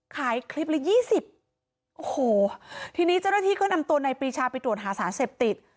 ขายคลิปละยี่สิบโอ้โหทีนี้เจ้าหน้าที่ก็นำตัวนายปรีชาไปตรวจหาสารเสพติด